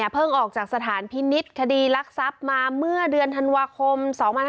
ออกจากสถานพินิษฐ์คดีรักทรัพย์มาเมื่อเดือนธันวาคม๒๕๖๒